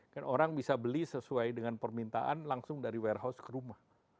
kan orang bisa beli sesuai dengan permintaan langsung dari warehouse ke rumah